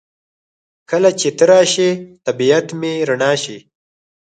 کله چې ته راشې طبیعت مې رڼا شي.